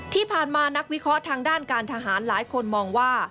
ที่ผ่านมานักวิเคราะห์ทางด้านการทหารหลายคนมองว่า